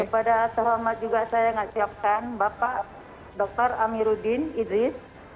kepada terhormat juga saya mengucapkan bapak dokter amiruddin idris